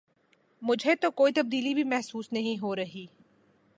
مجھے تو کوئی تبدیلی بھی محسوس نہیں ہو رہی ہے۔